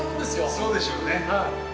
そうでしょうね。